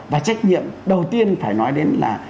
và trách nhiệm đầu tiên phải nói đến là